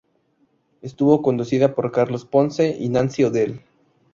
Estuvo conducida por Carlos Ponce y Nancy O'Dell.